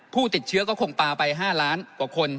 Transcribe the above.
ผู้ติดเชื้อก็คงปลาไป๕ล้านกว่าคน